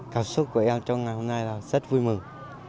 cảm xúc của em trong ngày hôm nay là rất vui mừng